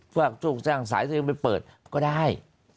ฝากโชคจ้างสายสืบไปเปิดก็ได้